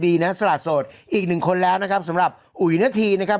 ดีนะสละโสดอีกหนึ่งคนแล้วนะครับสำหรับอุ๋ยนาธีนะครับ